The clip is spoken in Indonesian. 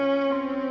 aku mau kemana